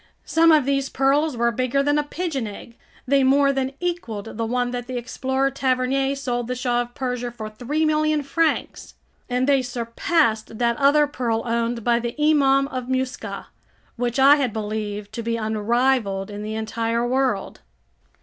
Some of these pearls were bigger than a pigeon egg; they more than equaled the one that the explorer Tavernier sold the Shah of Persia for 3,000,000 francs, and they surpassed that other pearl owned by the Imam of Muscat, which I had believed to be unrivaled in the entire world.